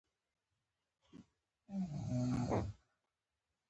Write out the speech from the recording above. د ښوونې او روزنې نظام باید ټول هیواد ته پراختیا ورکړي.